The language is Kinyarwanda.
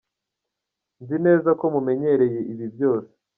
Nzi neza ko mumenyereye ibi byose.